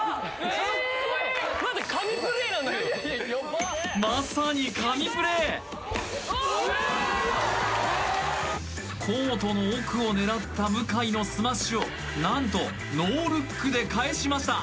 神プレーなんだけどまさに神プレーコートの奥を狙った向井のスマッシュを何とノールックで返しました